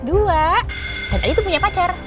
dan adi tuh punya pacar